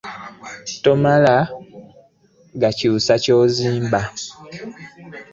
Tomala gakyusa kyozimba.